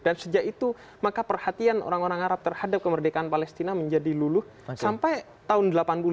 dan sejak itu maka perhatian orang orang arab terhadap kemerdekaan palestina menjadi luluh sampai tahun seribu sembilan ratus delapan puluh lima